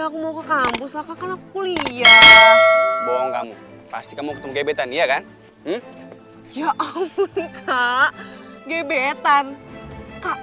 aku mau ke kampus aku kuliah bohong kamu pasti kamu kebetan iya kan ya om kak gebetan kak